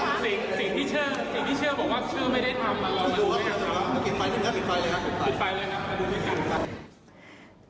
สิ่งที่เชื่อผมว่าเชื่อไม่ได้ทำเรามาดูด้วยครับ